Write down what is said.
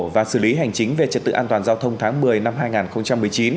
và xử lý hành chính về trật tự an toàn giao thông tháng một mươi năm hai nghìn một mươi chín